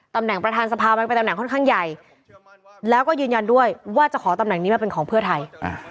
ตำแหน่งประธานสภามันเป็นตำแหนค่อนข้างใหญ่แล้วก็ยืนยันด้วยว่าจะขอตำแหน่งนี้มาเป็นของเพื่อไทย